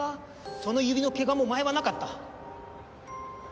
その指の怪我も前はなかった。